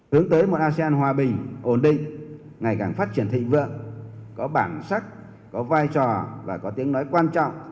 hướng tới một asean hòa bình ổn định ngày càng phát triển thịnh vượng có bản sắc có vai trò và có tiếng nói quan trọng